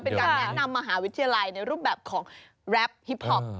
เป็นการแนะนำมหาวิทยาลัยในรูปแบบของแรปฮิปพอป